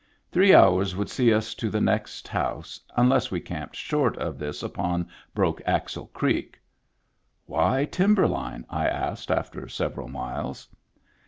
Three hours would see us to the next house, unless we camped short of this upon Broke Axle Creek. "Why Timberline?" I asked after several miles.